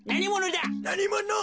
なにものだ？